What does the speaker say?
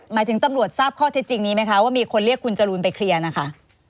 หมายถึงตำรวจทราบข้อเท็จจริงนี้ไหมคะว่ามีคนเรียกคุณจรูนไปเคลียร์นะคะ